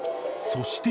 ［そして］